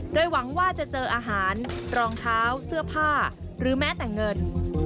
โดยหวังว่าจะเจออาหารรองเท้าเสื้อผ้าหรือแม้แต่เงิน